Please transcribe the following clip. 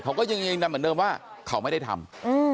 เขาก็ยังยืนยันเหมือนเดิมว่าเขาไม่ได้ทำ